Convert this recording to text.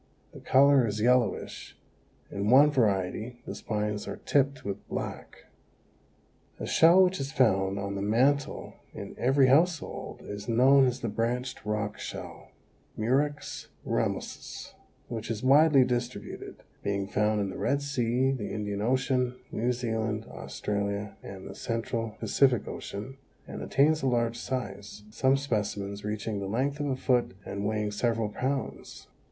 The color is yellowish; in one variety the spines are tipped with black. A shell which is found on the mantel in every household is known as the Branched Rock Shell (Murex ramosus), which is widely distributed, being found in the Red Sea, the Indian Ocean, New Zealand, Australia and the Central Pacific Ocean, and attains a large size, some specimens reaching the length of a foot and weighing several pounds.